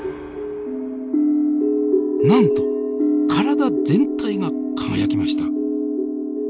なんと体全体が輝きました！